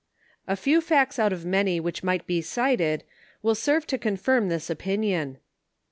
A few facts out of many which might be cited will serve to con firm this opinion.